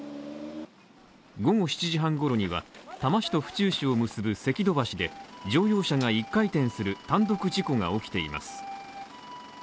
午後７時半ごろには、多摩市と府中市を結ぶ関戸橋で、乗用車が１回転する単独事故が起きています。